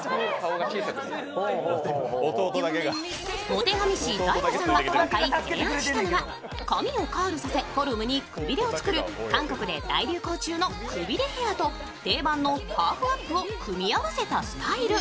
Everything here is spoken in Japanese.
モテ髪師・大悟さんが今回、提案したのが髪をカールさせ、フォルムにくびれを作る韓国で大流行中のくびれヘアと定番のハーフアップを組み合わせたスタイル。